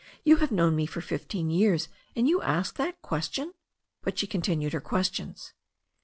"You have known me for fifteen years, and you ask that question!" But she continued her questions.